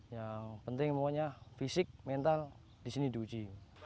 yang penting makanya fisik mental disini di uji